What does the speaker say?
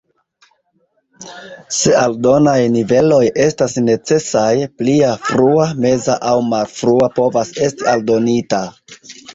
Se aldonaj niveloj estas necesaj, plia "Frua", "Meza" aŭ "Malfrua" povas esti aldonita.